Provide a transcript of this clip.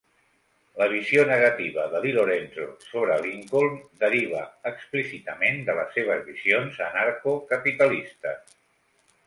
La visió negativa de DiLorenzo sobre Lincoln deriva explícitament de les seves visions anarco-capitalistes.